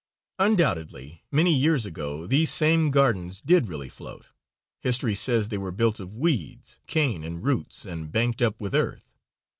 Undoubtedly many years ago these same gardens did really float. History says they were built of weeds, cane and roots, and banked up with earth.